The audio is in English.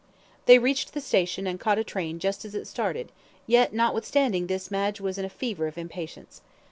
They reached the station, and caught a train just as it started, yet notwithstanding this Madge was in a fever of impatience.